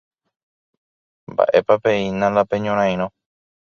¡Mba'épapeína la peñorairõ!